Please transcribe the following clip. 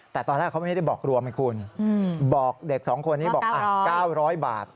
แต่ตอนแรกเขาไม่ได้บอกรวมไงคุณบอกเด็ก๒คนนี้บอก๙๐๐บาท